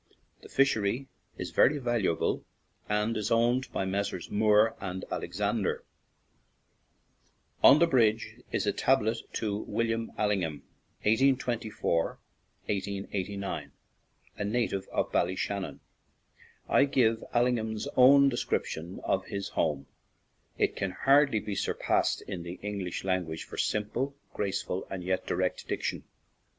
The fishery is very valuable, and is owned by Messrs. Moore & Alexander. On the bridge is a tablet to William Allingham (1824 1889), a native of Bal lyshannon. I give Allingham's own de scription of his home; it can hardly be surpassed in the English language for sim ple, graceful, and yet direct diction.